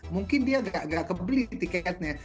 mungkin dia agak kebeli tiketnya